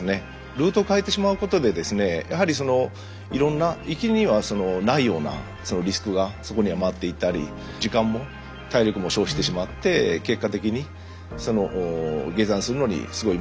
ルートを変えてしまうことでですねやはりそのいろんな行きにはないようなリスクがそこには待っていたり時間も体力も消費してしまって結果的に下山するのにすごいリスクが生じてしまうと。